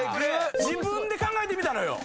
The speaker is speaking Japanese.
自分で考えてみたのよ。